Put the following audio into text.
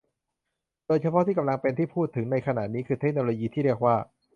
โดยเฉพาะที่กำลังเป็นที่พูดถึงในขณะนี้คือเทคโนโลยีที่เรียกว่า